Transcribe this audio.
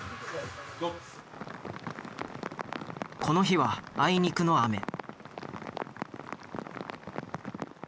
この日はあいにくの雨。